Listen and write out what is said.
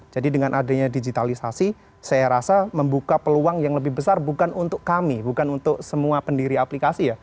jadi dengan adanya digitalisasi saya rasa membuka peluang yang lebih besar bukan untuk kami bukan untuk semua pendiri aplikasi